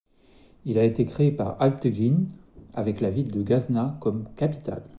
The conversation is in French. Il a été créé par Alptegîn, avec la ville de Ghazna comme capitale.